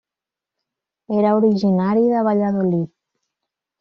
Era originari de Valladolid.